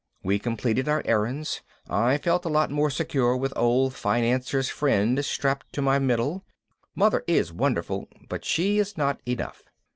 We completed our errands. I felt a lot more secure with Old Financier's Friend strapped to my middle. Mother is wonderful but she is not enough.